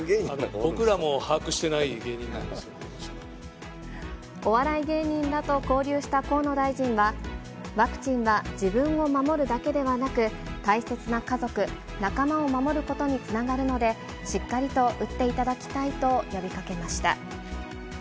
僕らも把握してない芸人なんお笑い芸人らと交流した河野大臣は、ワクチンは自分を守るだけではなく、大切な家族、仲間を守ることにつながるので、しっかりと打っていただきたいと呼びかけました。